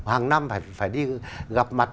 hàng năm phải đi gặp mặt